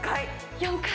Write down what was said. ４回。